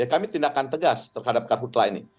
ya kami tindakan tegas terhadap kartu telah ini